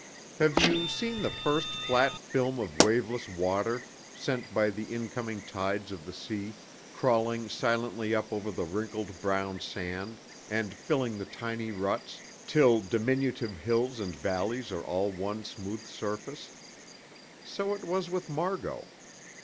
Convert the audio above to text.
Have you seen the first flat film of waveless water, sent by the incoming tides of the sea, crawling silently up over the wrinkled brown sand, and filling the tiny ruts, till diminutive hills and valleys are all one smooth surface? So it was with Margot.